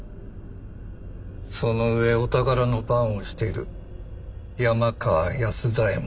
その上お宝の番をしている山川安左衛門腕が立つ。